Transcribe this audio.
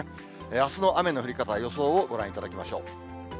あすの雨の降り方、予想をご覧いただきましょう。